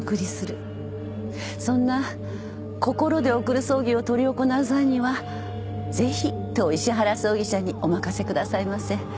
そんな心で送る葬儀を執り行う際にはぜひ当石原葬儀社にお任せくださいませ。